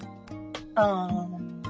ああ。